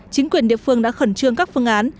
chính quyền địa phương đã khẩn trương các phương án